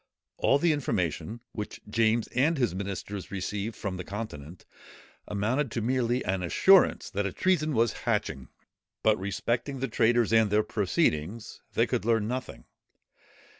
All the information, which James and his ministers received from the Continent, amounted merely to an assurance that a treason was hatching; but respecting the traitors and their proceedings they could learn nothing.